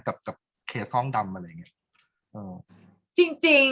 กากตัวทำอะไรบ้างอยู่ตรงนี้คนเดียว